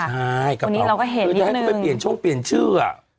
ใช่ครับวันนี้เราก็เห็นนิดนึงวันนี้ให้เขาไปเปลี่ยนช่วงเปลี่ยนชื่ออ่ะ